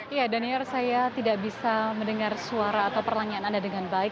iya daniel saya tidak bisa mendengar suara atau pertanyaan anda dengan baik